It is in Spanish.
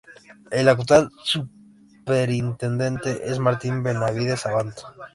El actual superintendente es Martín Benavides Abanto.